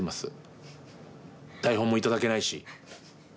台本も頂けないし。